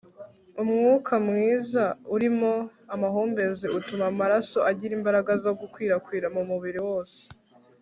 umwuka mwiza urimo amahumbezi utuma amaraso agira imbaraga zo gukwirakwira umubiri wose